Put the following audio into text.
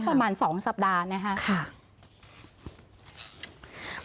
ประมาณ๒สัปดาห์นะครับ